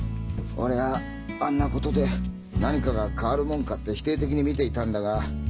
俺はあんなことで何かが変わるもんかって否定的に見ていたんだが。